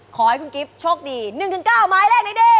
ขอให้คุณกิ๊บชบดี๑๙หมายเลขนั่นดี